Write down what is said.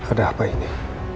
ada apa ini